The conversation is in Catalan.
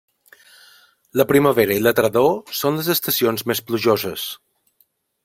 La primavera i la tardor són les estacions més plujoses.